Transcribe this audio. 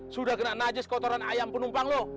sudah kena najis kotoran ayam penumpang loh